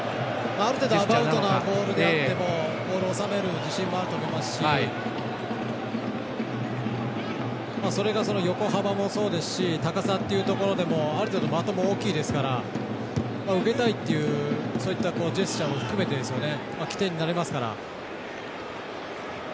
ある程度アバウトなボールであってもボールを収める自信はあると思いますしそれが横幅もそうですし高さっていうところでもある程度的も大きいですから入れたいというそういったジェスチャーも含めて起点になりますから。